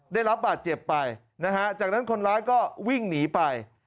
ได้รับบาดเจ็บไปนะฮะจากนั้นคนร้ายก็วิ่งหนีไป